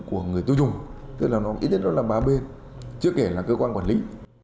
của người tiêu dùng tức là nó nghĩ đến đó là ba b chứ kể là cơ quan quản lý